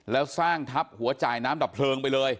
แล้วสร้างทับหัวจ่ายน้ำดับเพลิงไปเลย